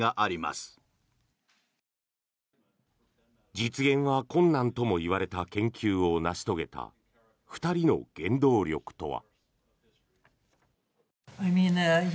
実現は困難とも言われた研究を成し遂げた２人の原動力とは。